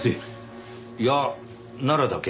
いや奈良だけ。